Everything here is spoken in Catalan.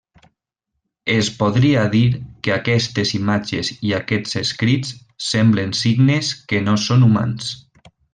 Es podria dir que aquestes imatges i aquests escrits semblen signes que no són humans.